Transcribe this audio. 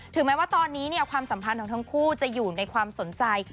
แม้ว่าตอนนี้ความสัมพันธ์ของทั้งคู่จะอยู่ในความสนใจ